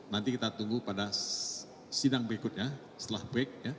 nanti kita tunggu pada sidang berikutnya setelah break